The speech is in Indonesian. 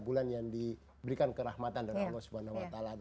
bulan yang diberikan kerahmatan dari allah swt